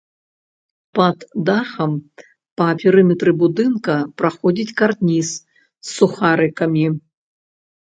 Пад дахам па перыметры будынка праходзіць карніз з сухарыкамі.